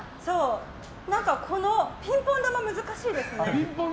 ピンポン球、難しいですね。